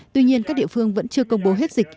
tuy nhiên các địa phương vẫn chưa công bố hết dịch